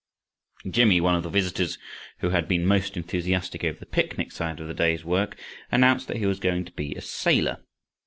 Jimmy, one of the visitors, who had been most enthusiastic over the picnic side of the day's work, announced that he was going to be a sailor.